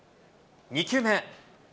２球目。